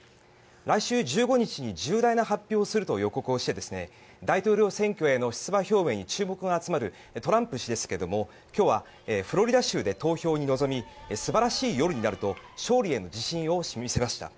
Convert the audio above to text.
来週１５日に重大な発表をすると予告をして大統領選挙への出馬表明に注目が集まるトランプ氏ですが今日はフロリダ州で投票に臨み素晴らしい夜になると勝利への自信を示しました。